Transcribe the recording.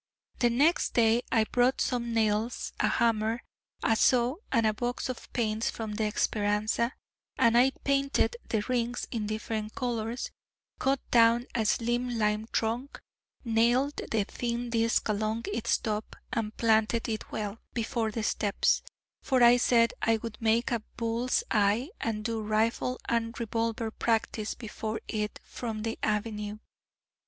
The next day I brought some nails, a hammer, a saw, and a box of paints from the Speranza; and I painted the rings in different colours, cut down a slim lime trunk, nailed the thin disc along its top, and planted it well, before the steps: for I said I would make a bull's eye, and do rifle and revolver practice before it, from the avenue.